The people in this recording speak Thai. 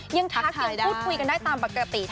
ยังทักยังพูดคุยกันได้ตามปกติ